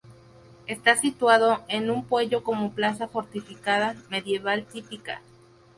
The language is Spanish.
Está situado en un pueyo como plaza fortificada medieval típica.